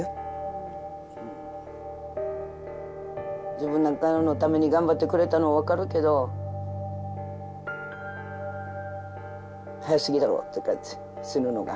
自分なんかのために頑張ってくれたの分かるけど早すぎだろって感じ死ぬのが。